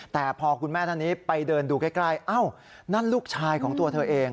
แต่พอคุณแม่ท่านนี้ไปเดินดูใกล้อ้าวนั่นลูกชายของตัวเธอเอง